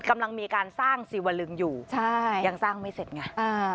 กำลังมีการสร้างสีวลึงอยู่ใช่ยังสร้างไม่เสร็จไง